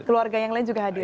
keluarga yang lain juga hadir